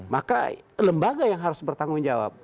maka lembaga yang harus bertanggung jawab